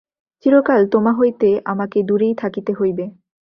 চিরকাল তোমা হইতে আমাকে দূরেই থাকিতে হইবে।